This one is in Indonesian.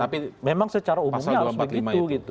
tapi memang secara umumnya harus begitu gitu